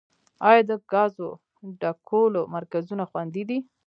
آیا د ګازو ډکولو مرکزونه خوندي دي؟